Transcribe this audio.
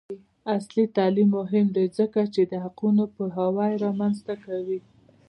عصري تعلیم مهم دی ځکه چې د حقونو پوهاوی رامنځته کوي.